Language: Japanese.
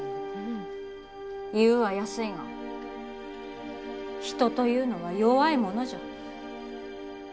言うは、やすいが人というのは弱いものじゃ。